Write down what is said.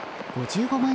５５万